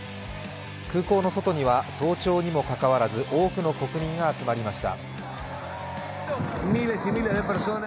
空港の外には早朝にもかかわらず多くの国民が集まりました。